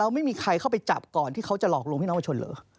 ไม่มีใครเข้าไปจับก่อนที่เค้าจะลอกลงพินักว่าชนเหรอ